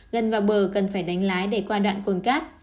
gần vào bờ cần phải đánh lái để qua đoạn cồn cát